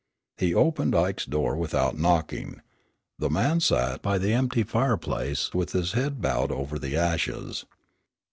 He opened Ike's door without knocking. The man sat by the empty fireplace with his head bowed over the ashes.